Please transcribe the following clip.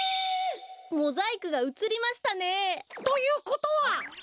モザイクがうつりましたね。ということは？